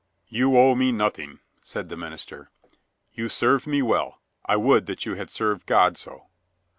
"You owe me nothing," said the minister. "You served me well, I would that you had served God so.